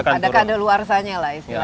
dan ada kandil luar sana lah istilahnya